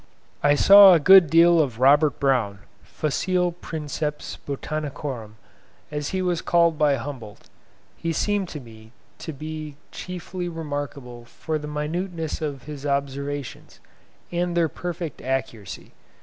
I saw a good deal of Robert Brown, "facile Princeps Botanicorum," as he was called by Humboldt. He seemed to me to be chiefly remarkable for the minuteness of his observations, and their perfect accuracy.